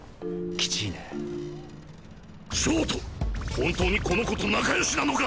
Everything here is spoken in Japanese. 本当にこの子と仲良しなのか。